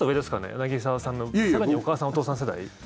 柳澤さんの更にお母さん、お父さん世代？